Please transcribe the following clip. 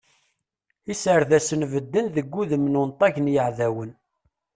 Iserdasen bedden deg udem n unṭag n yeεdawen.